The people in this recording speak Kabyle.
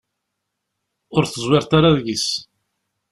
Ur teẓwireḍ ara deg-s.